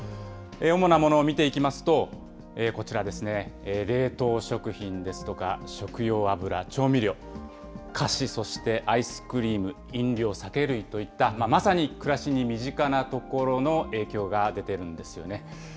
主なものを見ていきますと、こちらですね、冷凍食品ですとか、食用油・調味料、菓子、そしてアイスクリーム、飲料・酒類といった、まさに暮らしに身近なところの影響が出てるんですよね。